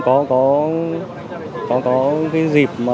có cái dịp